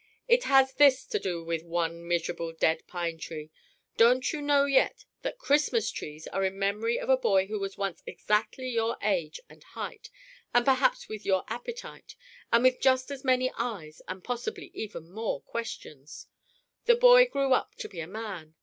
"It has this to do with one miserable dead pine tree: don't you know yet that Christmas Trees are in memory of a boy who was once exactly your age and height and perhaps with your appetite and with just as many eyes and possibly even more questions? The boy grew up to be a man.